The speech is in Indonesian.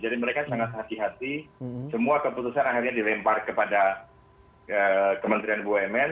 jadi mereka sangat hati hati semua keputusan akhirnya dilempar kepada kementerian bumn